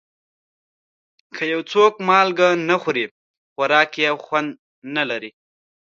که یو څوک مالګه نه خوري، خوراک یې خوند نه لري.